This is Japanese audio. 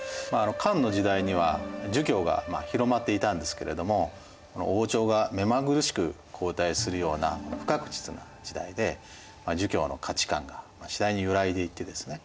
漢の時代には儒教が広まっていたんですけれども王朝が目まぐるしく交代するような不確実な時代で儒教の価値観が次第に揺らいでいってですね